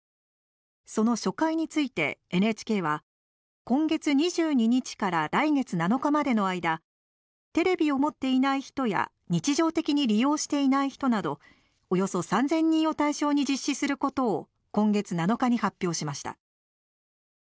その初回について、ＮＨＫは今月２２日から来月７日までの間テレビを持っていない人や日常的に利用していない人などおよそ３０００人を対象に実施することを今月７日に発表しました。